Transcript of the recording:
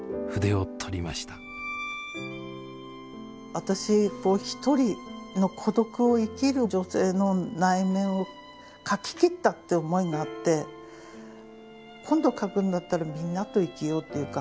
私一人の孤独を生きる女性の内面を書き切ったって思いがあって今度書くんだったらみんなと生きようっていうか